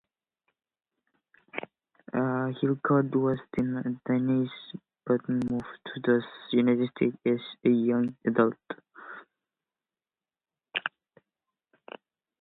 Hillcourt was Danish, but moved to the United States as a young adult.